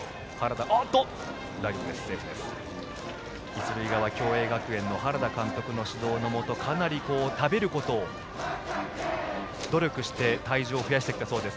一塁側、共栄学園の原田監督の指導のもとかなり食べることを努力して体重を増やしてきたそうです